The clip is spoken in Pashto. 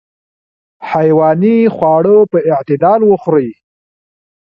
حیواني خواړه په اعتدال وخورئ.